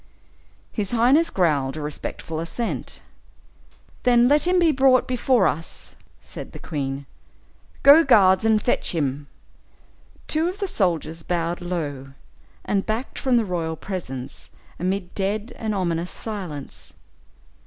His highness growled a respectful assent. "Then let him be brought before us," said the queen. "Go, guards, and fetch him." Two of the soldiers bowed low, and backed from the royal presence, amid dead and ominous silence.